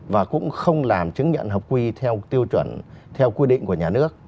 và cũng không làm chứng nhận hợp quy theo tiêu chuẩn theo quy định của nhà nước